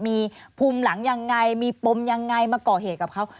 มีภูมิหลังอย่างไรมีปมอย่างไรมาเกาะเหตุกับเขา